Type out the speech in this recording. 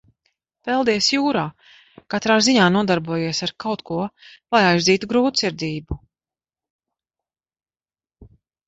Peldies jūrā, katrā ziņā nodarbojies ar kaut ko, lai aizdzītu grūtsirdību.